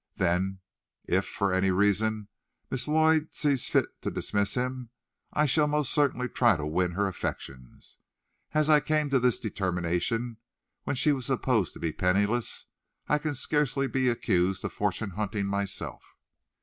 Then if, for any reason, Miss Lloyd sees fit to dismiss him, I shall most certainly try to win her affections. As I came to this determination when she was supposed to be penniless, I can scarcely be accused of fortune hunting myself."